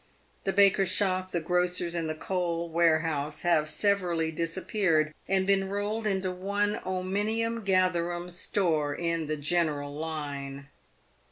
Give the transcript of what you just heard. The baker's shop, the grocer's, and the coal warehouse have severally dis appeared, and been rolled into one omnium gatherum store in " the general line."